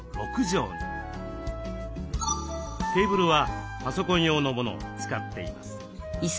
テーブルはパソコン用のものを使っています。